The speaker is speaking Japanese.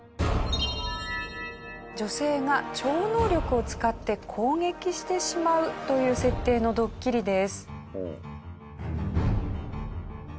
女性が超能力を使って攻撃してしまうという設定のドッキリです。